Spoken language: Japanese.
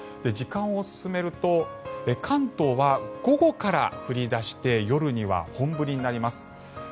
時間を進めると関東は午後から降り出して夜には本降りになります。